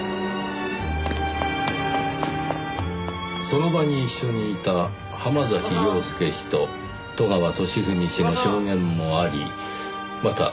その場に一緒にいた浜崎洋介氏と戸川季史氏の証言もありまた